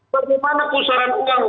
bagaimana pusaran uang